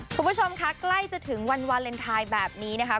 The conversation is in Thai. คุณผู้ชมคะใกล้จะถึงวันวาเลนไทยแบบนี้นะคะ